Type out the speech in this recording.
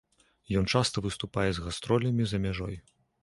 Ён часта выступае з гастролямі за мяжой.